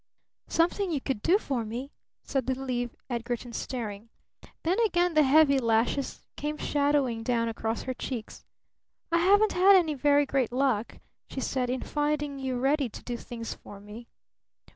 "Something you could do for me?" said little Eve Edgarton, staring. Then again the heavy lashes came shadowing down across her cheeks. "I haven't had any very great luck," she said, "in finding you ready to do things for me."